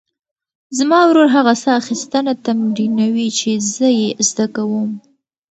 زما ورور هغه ساه اخیستنه تمرینوي چې زه یې زده کوم.